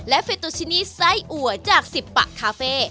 เฟตูชินีไส้อัวจากสิบปะคาเฟ่